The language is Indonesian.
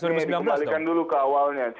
ya jadi dikembalikan dulu ke awalnya